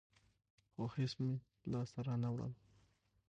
خو هېڅ مې لاس ته رانه وړل.